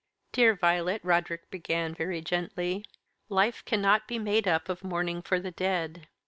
"Dear Violet," Roderick began, very gently, "life cannot be made up of mourning for the dead.